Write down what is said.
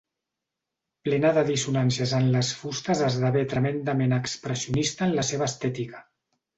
Plena de dissonàncies en les fustes esdevé tremendament expressionista en la seva estètica.